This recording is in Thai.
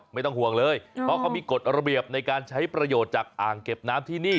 ไม่ต้องห่วงเลยเพราะเขามีกฎระเบียบในการใช้ประโยชน์จากอ่างเก็บน้ำที่นี่